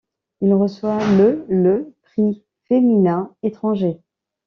Il reçoit le le prix Femina étranger.